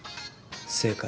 正解。